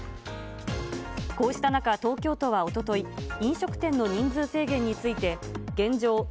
こうした中、東京都はおととい、飲食店の人数制限について、現状